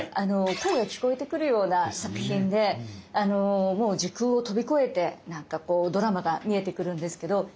声が聞こえてくるような作品でもう時空を飛び越えてなんかこうドラマが見えてくるんですけど。